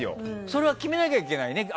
それは決めなきゃいけないね。